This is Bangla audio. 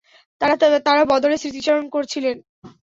তারা বদরের স্মৃতিচারণ করছিলেন।